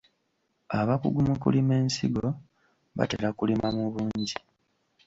Abakugu mu kulima ensigo batera kulima mu bungi.